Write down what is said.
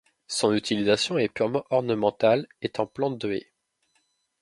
Son utilisation est purement ornementale et en plante de haies.